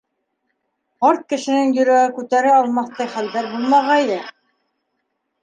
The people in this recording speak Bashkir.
Ҡарт кешенең йөрәге күтәрә алмаҫтай хәлдәр булмағайы.